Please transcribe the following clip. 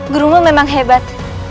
gurumu memang hebat